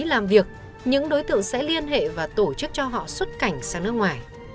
làm việc những đối tượng sẽ liên hệ và tổ chức cho họ xuất cảnh sang nước ngoài